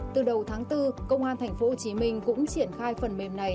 từ đầu tháng bốn công an thành phố hồ chí minh cũng triển khai phần mềm này